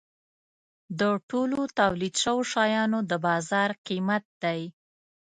د ټولو تولید شوو شیانو د بازار قیمت دی.